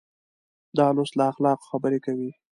دا لوست له اخلاقو خبرې کوي.